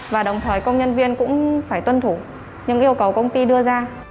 và đồng thời công nhân viên cũng phải tuân thủ những yêu cầu công ty đưa ra